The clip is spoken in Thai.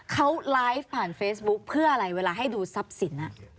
เขาไลฟ์ผ่านเฟซบุ๊คเพื่ออะไรเวลาให้ดูทรัพย์สิน